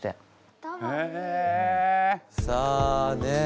さあねえ